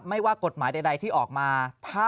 ไม่ว่ากฎหมายใดที่ออกมา